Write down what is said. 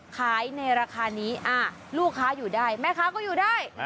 ขายในราคานี้ลูกค้าอยู่ได้แม่ค้าก็อยู่ได้